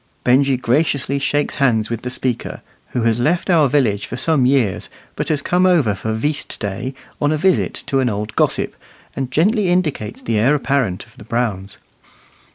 Benjy graciously shakes hands with the speaker, who has left our village for some years, but has come over for "veast" day on a visit to an old gossip, and gently indicates the heir apparent of the Browns.